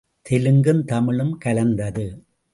தெலுங்கும் தமிழும் கலந்தது.